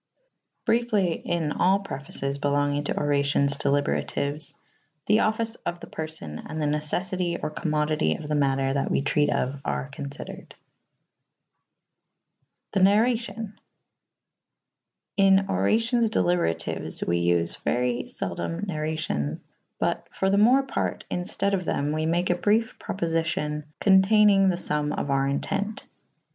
Bryefly in all prefaces belongynge to oracyons delyberatyues the offyce of the perfo« :& the neceffytye or co»zmodytye of the matter that we treate of are confydered. The narracyon. In oracyons dylyberatyues' we vfe very feldome narracyons / but for the more parte in ftede of thewz we make a bryef propolyow conteynynge the fumme of our entent.